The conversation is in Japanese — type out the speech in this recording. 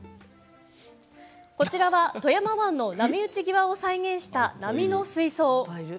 こちらは富山湾の波打ち際を再現した波の水槽。